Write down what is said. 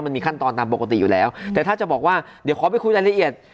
มันมีขั้นตอนตามปกติอยู่แล้วแต่ถ้าจะบอกว่าเดี๋ยวขอไปคุยรายละเอียด